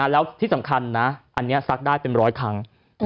แล้วที่สำคัญนะอันนี้ซักได้เป็นร้อยครั้ง